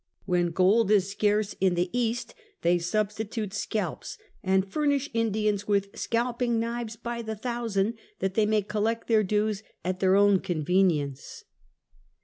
When gold is scarce in the East, they substitute scalps and furnish Indians with scalping knives by the thousand, that they may collect their dues at their own con venience.